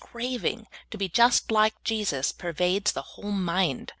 121 craving to be just like Jesus pervades the whole mind.